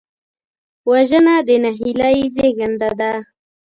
وژنه د نهیلۍ زېږنده ده